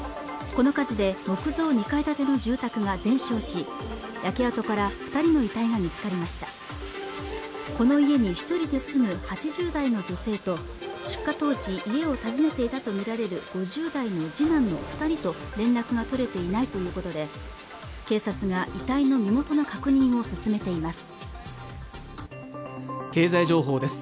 この火事で木造２階建ての住宅が全焼し焼け跡から二人の遺体が見つかりましたこの家に一人で住む８０代の女性と出火当時、家を訪ねていたと見られる５０代の次男の二人と連絡が取れていないということです